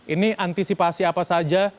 ini antisipasi apa saja